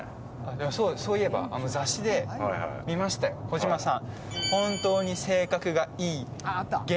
そういえば雑誌で見ましたよ、児嶋さん。